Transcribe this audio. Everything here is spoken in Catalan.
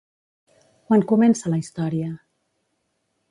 Quan comença la història?